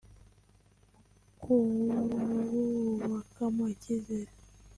mu kububakamo icyizere